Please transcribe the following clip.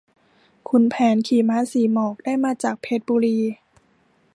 ขุนแผนขี่ม้าสีหมอก ได้มาจากเพชรบุรี